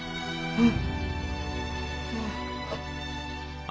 うん？